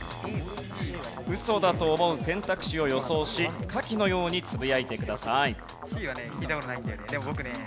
ウソだと思う選択肢を予想し下記のようにつぶやいてください。